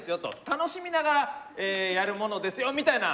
楽しみながらやるものですよみたいな。